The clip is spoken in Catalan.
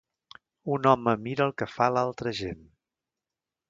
Un home mira el que fa l'altra gent.